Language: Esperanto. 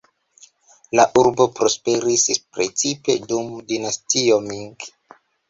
La urbo prosperis precipe dum Dinastio Ming.